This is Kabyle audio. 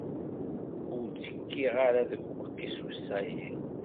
Ur ttekkiɣ ara deg uqisus-ayi.